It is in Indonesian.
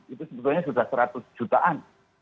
itu sebetulnya sudah seratus jutaan